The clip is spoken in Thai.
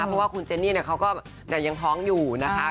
เพราะว่าคุณเจนี่เขาก็ยังท้องอยู่นะคะ